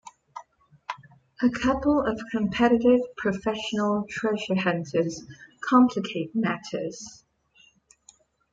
A couple of competitive professional treasure hunters complicate matters.